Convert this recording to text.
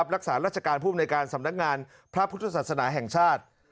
รักษาราชการภูมิในการสำนักงานพระพุทธศาสนาแห่งชาติ